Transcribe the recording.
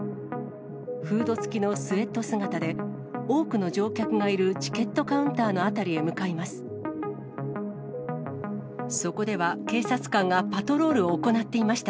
フード付きのスエット姿で、多くの乗客がいるチケットカウンターの辺りへ向かいます。